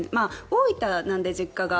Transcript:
大分なので、実家が。